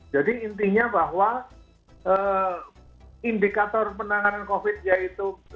jadi intinya bahwa indikator penanganan covid sembilan belas yaitu